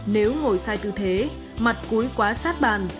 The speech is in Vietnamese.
nếu ngồi sai tư thế mặt cuối quá sát bàn